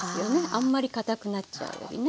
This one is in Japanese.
あんまりかたくなっちゃうよりね。